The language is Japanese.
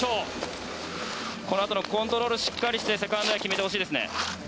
このあとのコントロールしっかりして、セカンドエア、決めてほしいですね。